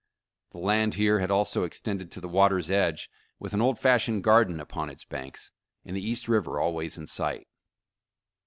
The land here had also extended to the water's edge, with an old fashioned garden upon its banks, and the East River always in sight.